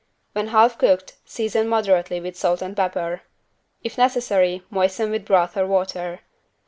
When half cooked, season moderately with salt and pepper. If necessary, moisten with broth or water.